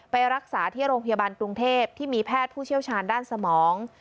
ไปรักษาที่โรงพยาบาลกรุงเทพที่มีแพทย์ผู้เชี่ยวชาญด้านสมอง